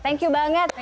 thank you banget